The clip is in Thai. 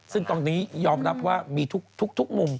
ซึ่งตรงนี้ยอมรับว่ามีทุกมุม